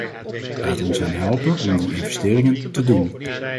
Laat ons hen helpen om die investeringen te doen.